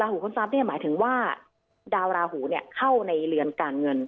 ราหูค้นทรัพย์เนี่ยหมายถึงว่าดาวราหูเนี่ยเข้าในเรือนการเงิน